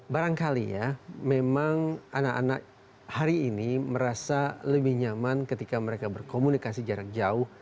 barangkali ya memang anak anak hari ini merasa lebih nyaman ketika mereka berkomunikasi jarak jauh